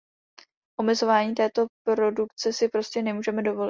Omezování této produkce si prostě nemůžeme dovolit.